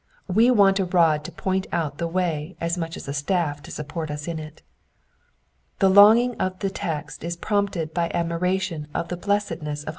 We want a rod to point out the way as much as a staff to support us in it. The longing of the text is prompted by admiration of the blessedness of.